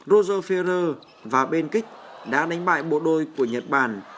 roger ferrer và ben kic đã đánh bại bộ đôi của nhật bản